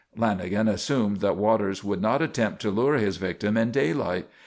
Lanagan assumed that Waters would not attempt to lure his victim in daylight.